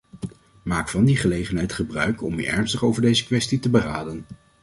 Maak van die gelegenheid gebruik om u ernstig over deze kwestie te beraden.